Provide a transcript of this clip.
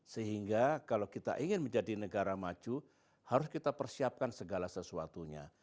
sehingga kalau kita ingin menjadi negara maju harus kita persiapkan segala sesuatunya